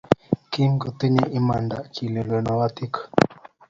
Kimukotinye imanit kilowonotok